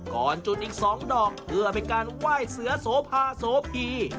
ก่อนจุดอีก๒ดอกเพื่อเป็นการไหว้เสือโสภาโสพี